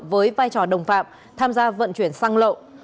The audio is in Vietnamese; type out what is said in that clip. với vai trò đồng phạm tham gia vận chuyển xăng lậu